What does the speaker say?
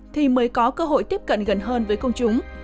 thì mới có cơ hội tiếp cận gần hơn với công chúng